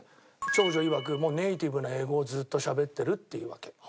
長女いわく「もうネイティブな英語をずっとしゃべってる」って言うわけ。